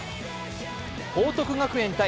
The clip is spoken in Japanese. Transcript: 報徳学園×